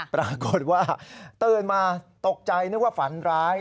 ปรากฏว่าตื่นมาตกใจนึกว่าฝันร้าย